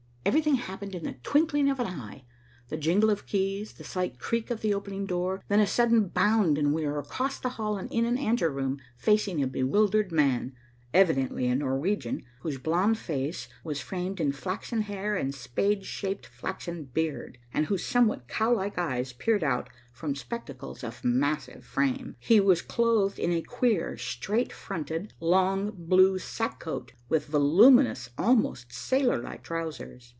Everything happened in the twinkling of an eye. The jingle of keys, the slight creak of the opening door, then a sudden bound and we were across the hall and in an anteroom facing a bewildered man, evidently a Norwegian, whose blond face was framed in flaxen hair and spade shaped flaxen beard, and whose somewhat cowlike eyes peered out from spectacles of massive frame. He was clothed in a queer, straight fronted, long, blue sack coat with voluminous, almost sailor like trousers.